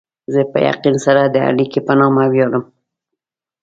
زه په یقین سره د اربکي په نامه ویاړم.